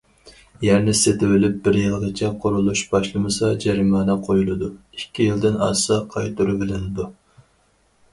يەرنى سېتىۋېلىپ بىر يىلغىچە قۇرۇلۇش باشلىمىسا جەرىمانە قويۇلىدۇ، ئىككى يىلدىن ئاشسا قايتۇرۇۋېلىنىدۇ.